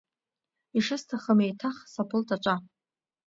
Ишысҭахым еиҭах, саԥылт аҿа…